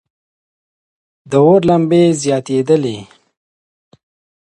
د اور لمبې زیاتېدلې.